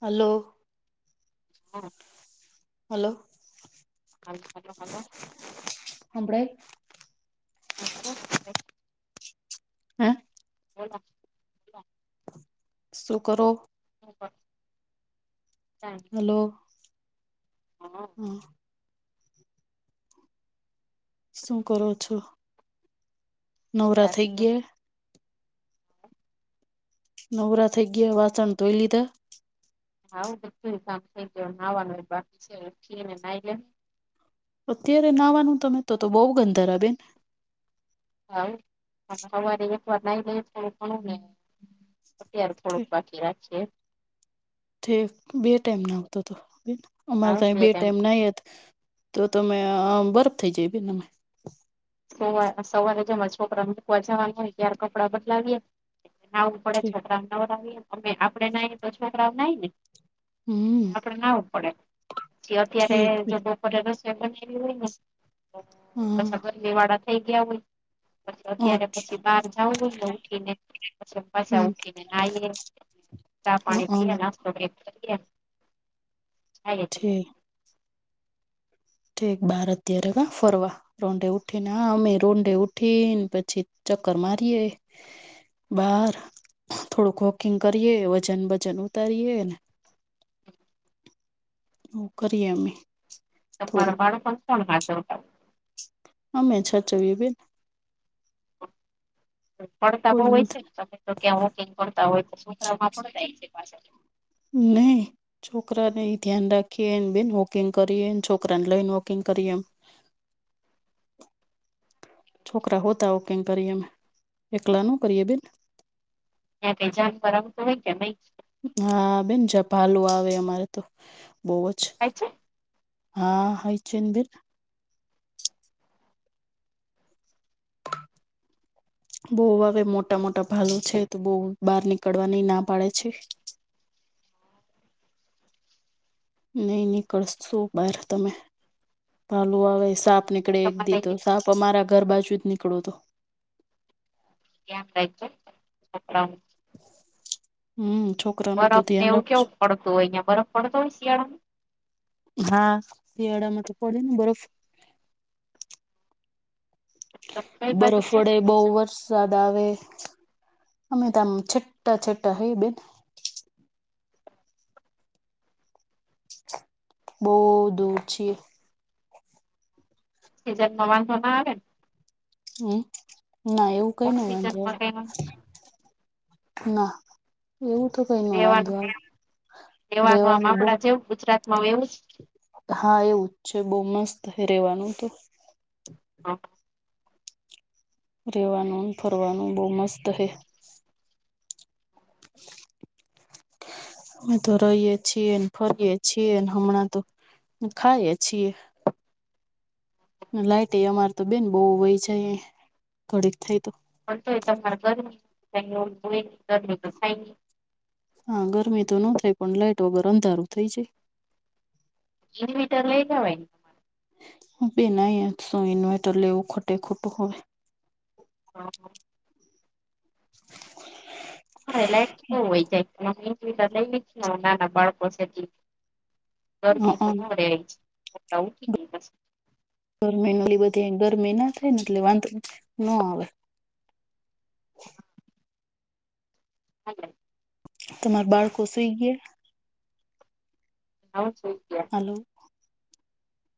Hello. હા. Hello. હા hello hello. સંભળાય. હા. હા. બોલો. શું કરો? [unintelligible] હલો. હા. [unintelligible] શું કરો છો? નવરા થઈ છીએ ગયા? નવરા થઈ ગયા વાસણ ધોઈ લીધા. હું તો તું કામ થઈ ગય નાવાનું બાકી છે [unintelligible] અત્યારે નાવાનું તમે તો તો બોવ ગંધાર બેન. હોવ અમે તો [unintelligible] અત્યારે થોડુંક બાકી રાખીએ. તે બે ટાઈમ ના આવતો હતો અમારે ત બે ટાઈમ ના તો તમે બરફ થઇ જાય બેન અમે. સવારે સવારે જેમ જ છોકરા અમુકવા જવાનું થાય ત્યારે કપડાં બદલાવીએ. આવું પડે ઠીક છોકરા નવરા હોઈએ અમે આપડે નાઇએ તો છોકરાઓ નાઈ ને. હમ. તો નાવું પડે પછી અત્યારે ઠીક બેન હા [unintelligible] [unintelligible] વાળા થઈ ગયા હોય. પછી અત્યારે પછી બહાર જવું હોય ને, ઉઠી ને. પછી પાછા હમ ઉઠીને નાઈએ, ચા પાણી હમ પીએ ના. [unintelligible] ઠીક ઠક ભારતીય રેગ ફરવા. રોંઢે ઉઠી ને, હ અમે રોંઢે ઉઠીને, પછી ચક્કર મારીએ. બાર થોડુંક વોકિંગ કરીએ, વજન વજન ઉતારીએ ને. હ. કરીએમે. તમારા બાળકો કોણ હાથર. અમે. [unintelligible] પડતા બઉુ કોઈ હોય છે નથી ને, તમે તો ક્યાં વોકિંગ કરતા હોય તો, છોકરામાં પડતા પા નહી. છોકરાને ધ્યાન રાખીએ, એને બેન વોકિંગ કરીએ, એને છોકરાને લઈન વોકિંગ કરીએ એમ. છોકરા હોતા હો, ક કરી એમ, એકલા ન કરીએ બેન. ત્યાં કઈ જાણ કરાવતું હોય કે નહી. હા, બેન જ ભાલુ આવે, અમારે તો બોઅજ. થાય છે. હા, હાય છે ને, બેન. બઉ આવે, મોટા-મોટા ભાલુ છે, તો બઉ બહાર નીકળવાની ના પાડે છે. નઈ નીકળ શું બહાર, તમે ભાલુ આવે, સાપ નીકળે, એક તમારે દી તો સાપ. પ મારા ઘર બાજુ જ નીકળો તો. ત્યા છે [unintelligible] હમ્મ છો. બરફ ને, એવું કેવું પડતું હોય, અહિયાં બરફ પડતો હોય, શિયાળામાં. હા, શિયાળામાં તો પડે ને બરફ. તો કઈ બાજુ બરફ છે પડે, બહુ વર્ષ. યાદ આવે, અમે તો આમ છટઠા છટઠા હૈ બેન. બહુ દૂર છીએ. તે તો ના આવેન. હમ્મ ના એવું કઈ ન વાંધ ઓક્સિજનમાં કઈ ના. એવું તો કઈ ન રેવાનું વાંધો આવે, રેવાનું બોન. કેવું ગુજરાત? મા એવું જ. હા, એવું જ છે, બહું મસ્ત રહેેવાનું તો. હા. રહેવાનું ન, ફરવાનું બહુ મસ્ત હૈ. [unintelligible] અમેતો તો રહીએે છીએ ને, ફરીએ છીએન હમણાં તો. ખાઈએ છીએ. લાઈટ એ અમાર તો બેન બહુ વય જાય ઘડીક થાય તો. તો એ તમારે ઘરું તો થાય. હા, ગરમી તો નો થાય, પણ લાઈટ વગર અંધારું થઇ જાય. ઇનવીટર લઈ લવાય. હું બેન અહીંયા શું ઇન્વેર્ટર લેવું, ખોટે-ખોટું હવે. હા. [inaudible] હા એ લાઈટ નો વહી જાય તમે ઇન્વર્ટર લઈ લીધું હોય ને તો નાના બાળકો છે તો ગરમી હ બારે આવી છે ઉઠી દિવસ ગરમી ન એ બધી ગરમી ના થાય ને એટલે વાંધો ન આવે. હલો. તમાર બાળકો સુઈ ગયા? હાવ સૂઈ ગયા. હેલો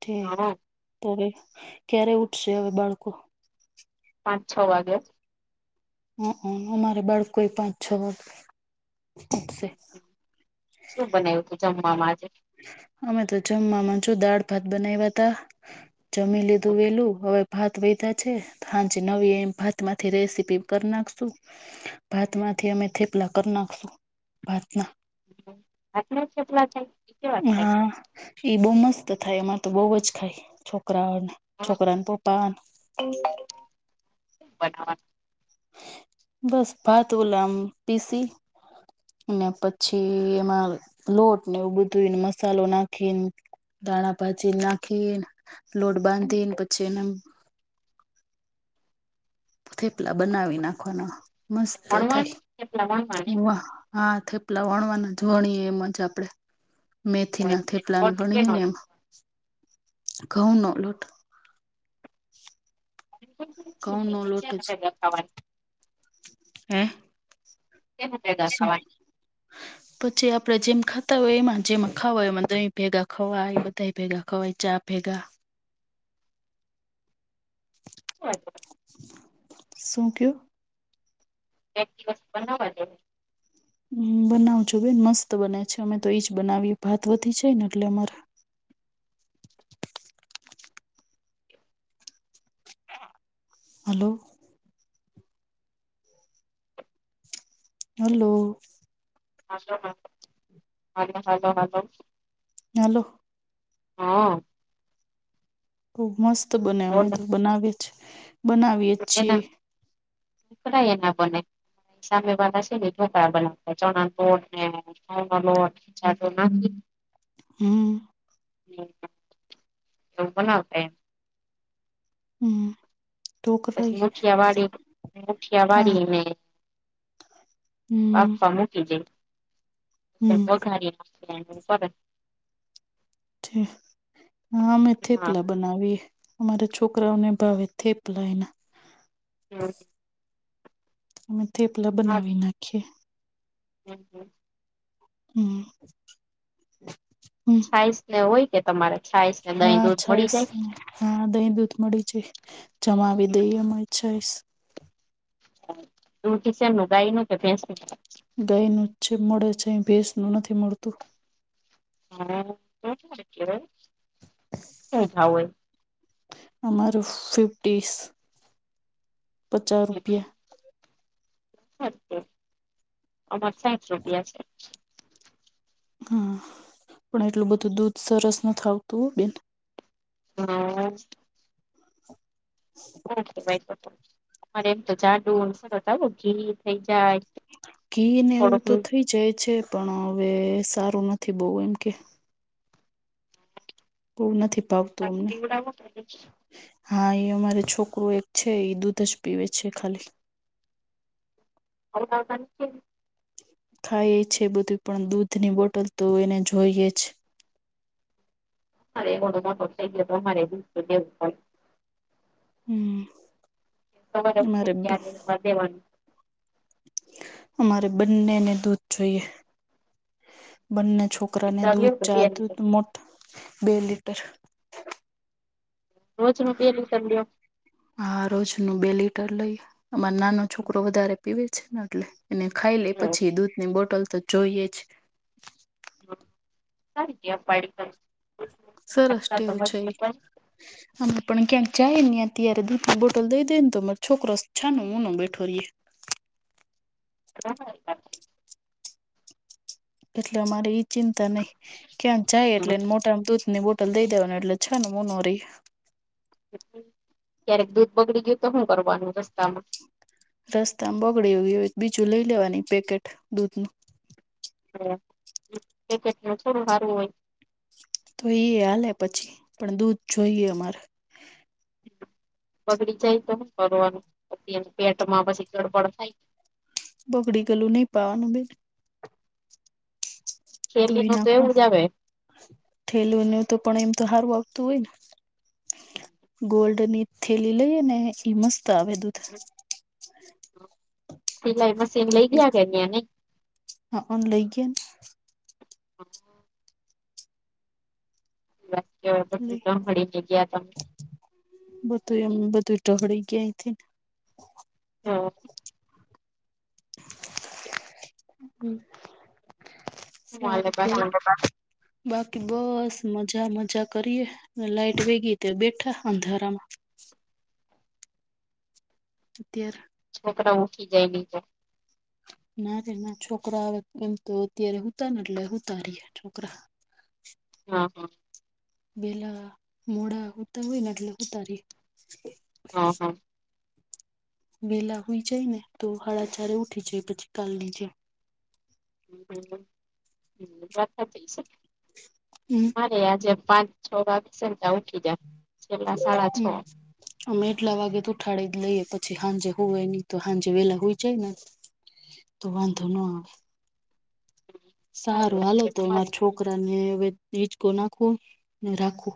ઠીક હા તો હવે ક્યારે ઉઠશે હવે બાળકો? પાંચ છ વાગે. હઅ અમારે બળ કોઈ પણ છ ઉઠશે શું બનાવ્યું તું જમવામાં આજે? અમે તો જમવામા જો દાળ ભાત બનાવ્યા તા જમી લીધું વહેલું હવે ભાત વધ્યા છે હાંજે નવી એ ભાતમાંથી રેસીપી કરી નાખશું. ભાતમાંથી અમે થેપલા કરી નાખશું ભાત ના ભાતના થેપલા થાય? કેવા થાય હા ઈ બહું મસ્ત થાય એમાંર તો બોવ જ ખાય છોકરાઓને છોકરાને પ પપા બધા બસ ભાત ઓલો આમ પીસી ને પછી એમાં લોટ ને એવું બધું મસાલો નાખીને દાણા ભાજી નાખી લોટ બાંધીને પછી એને થેપલા બનાવી નાખવાના મસ્ત એટલે વણવાનું થેપલા થાય વણવાના વાહ. હા થેપલા વણવાના જ વણીએ એમ જ આપડે. મેથીના થેપલાને લોટ વણી કેનો ને એમ ઘઉંનો લોટ ઘઉં નો લોટ જ [unintelligible] હે. કેમ ભેગા શું [unintelligible] પછી આપડે જેમ ખાતા હોય એમાં જેમ ખાવાય એમાં દહી ભેગા ખવાય બધા ભેગા ખવાય ચા ભેગા. [unintelligible] શું થયું? એક દિવસ બનાવા હ બનાવજો બેન મસ્ત બને છે અમે તો એઈજ બનાવીએ ભાત વધી છે ને એટલે અમારે. Hello. Hello. Hello hello hello hello. Hello. હા. બોવ મસ્ત બને અમે તો ઢોકળા બનાવીએ છે બનાવીએ છે. પણ અહીંયા ના બને. સામે વાળા છે ને ઢોકળાં બનાવતા હોય ચણા લોટ ને ઘઉં નો લોટ. [unintelligible] હમ. એવું બનાવતા હોય. હમ પછી ઢોકળાય મુઠિયા વાળી મુઠિયા હા. વાળીને હમ. પપ્પા મૂકી હમ જાય [unintelligible] છે હા અમે થેપલા બનાવીએ. અમારે છોકરાઓને ભાવે થેપલા અયના હમ. અમે થપલા બનાવી નાખીએ. હમ હમ. હમ. આઈસ. હા મળી જાય છાશને હા દહીં દૂધ મળી જાય. જમાવી દઈએમાં છાશ દૂધ શેનું ગાયનું કે ભેંસનું? ગાયનું છે મળે છે અય ભેસનું નથી મળતું. હા [unintelligible] કેહવાય એટલે જે ખાવું હોય. અમારું ફિફ્ટીસ અમાર સાત રૂપિયા છે. હા પણ એટલું બધું દૂધ સરસ નથી આવતું હો બેન. હા. [inaudible] ઓકે ભાઈ અરે એમ તો જાડુ સરતારું ઘી થઈ જાય. ઘી ને એવું તો થોડુંક થઈ જાય છે પણ હવે સારું નથી બોવ એમ કે બોવ નથી ભાવતું અમને. પીવડાવો હા એ અમારે છોકરું એક છે એ દૂધ જ પીવે છે ખાલી. ખવડાવતા નથી ને. ખાય છે બધું પણ દૂધની બોટલ તો એને જોઈએ જ. [unintelligible] હમ્મ. ખબર છે હું કે ક્યારે અમારે દેવાનું. અમારે બંનેને દૂધ જોઈએ બંને છોક રા ને લ્યો દૂધ તો બે ચા દુધ લીટર મોટ બે લીટર રોજનું બે લીટર લ્યો. હા રોજનું બે લીટર લઈએ અમાર નાનો છોકરો વધારે પીવે છે ને એટલે. અને ખાઈ લે તો પછી દૂધની બોટલ તો જોઈએ જ. સારી ટેવ પાડી તમે સરસ ટેવ છે એ [unintelligible] અમે પણ ક્યાંક જાય ને અત્યારે દૂધ બોટલ દઈ દઈએ ને તો અમાર છોકરો છાનો મોનો બેઠો રે. [inaudible] એટલે અમારે ઈ ચિંતા નઈ ક્યાંક જાય એટલે મોઢા દૂધ ની બોટ લ દઈ દેવાની એટલે છાનો મોનો રે. ક્યારેક દૂધ બગડી ગ્યું તો હું કરવાનું રસ્તામાં? રસ્તામાં બગડી ગ્યું હોય તો બીજું લઈ લેવાની પેકેટ દૂધ નું. હ પેકેટનું થોડું હારું હોય. તો ઇ હાલે પછી પણ દૂધ જોઈએ અમારે. બગડી જાય તો હું કરવાનું પછી પેટમાં પછી એમ ગડબડ થાય. બગડી ગયલું નહી પાવાનું બેન. છેલી નો તો એવું જ આવે. થેલીનું તો પણ એમ તો સારું આવતું હોય ને ગોલ્ડની થેલી લઈ ને એ મસ્ ત આવે દૂધ, સિલાઈ મશીન એવી [unintelligible] હઅંન લઈ ગ્યાંન. હ. [unintelligible] પછી લઈ ત મડીને જગ્યા ત બધું એમ, બધું ટહળી ગ્યા અઈંથીને. હ હમ્મ, હું સારુ હાલે બાકી કેવાય [unintelligible] બાકી બસ મજા મજા કરીએ ને, લાઈટ બી ગે ત બેઠા અંધારામાં. ત્યાર. છોકરાઓ ઊઠી જાય નીચે. ના રે ના છોકરો આવે એમ તો અત્યારે હુંતા ને એટલે હુતા રીએ છોકરા. હા, હ. બેલા મોડા હૂતા હોય ને એટલે હુતા રીએ. હ, હ. બેલા હુંઈ જાય ને તો, હાડા ચારે ઉઠી જાય પછી કાલ ની જેમ. [unintelligible] વાત સાચી સે. હમ્મ. મારે આજે પાંચ છ વાગ્સે તાં ઉઠી જામ. હમ્મ. અમે એટલા વાગે તો ઉઠાડી જ લઈએ, પછી હાંજે હુવે ની તો હાંજે વેલા હુઈ જાય ને. તો વાંધો ન. સારી સારું, વાત હાલો છે. તો. અમારે અમાર છોકરા ને વે હિચકો નાખૂ ને રાખૂ.